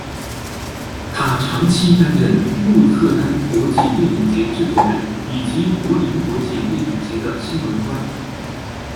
他长期担任鹿特丹国际电影节制作人以及柏林国际电影节的新闻官。